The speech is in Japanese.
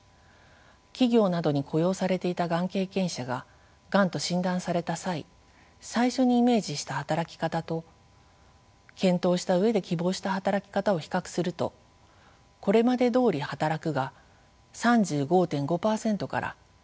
企業などに雇用されていたがん経験者ががんと診断された際「最初にイメージした働き方」と「検討した上で希望した働き方」を比較すると「これまでどおり働く」が３５．５％から５７．０％へと大きく増加しています。